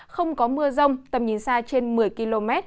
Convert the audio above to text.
không có mưa rông tầm nhìn xa trên một mươi km